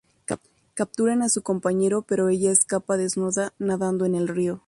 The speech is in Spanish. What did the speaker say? Capturan a su compañero pero ella escapa desnuda nadando en el río.